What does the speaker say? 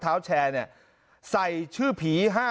ท้าวแชร์เนี่ยใส่ชื่อผี